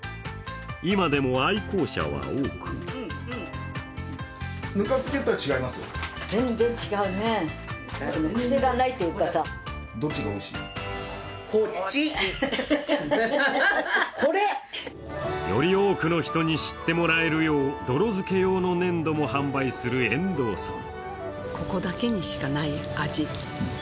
今でも愛好者は多くより多くの人に知ってもらえるよう泥漬け用の粘土も販売する遠藤さん。